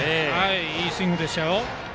いいスイングでしたよ。